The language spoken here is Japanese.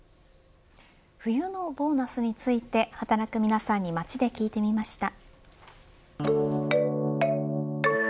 冬のボーナスについて働く皆さんに街で聞いてみました。